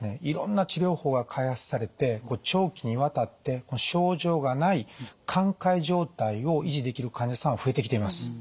いろんな治療法が開発されて長期にわたって症状がない寛解状態を維持できる患者さんが増えてきています。